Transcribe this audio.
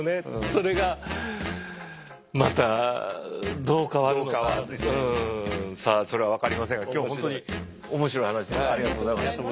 それがまたどう変わるかはうんさあそれは分かりませんが今日は本当に面白い話ありがとうございました。